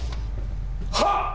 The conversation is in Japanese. はっ！